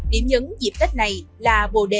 điểm nhấn dịp tết này là bồ đề